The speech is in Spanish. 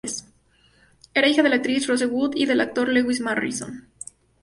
Era hija de la actriz Rose Wood y del actor Lewis Morrison.